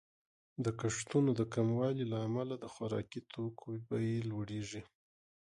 د کښتونو د کموالي له امله د خوراکي توکو بیې لوړیږي.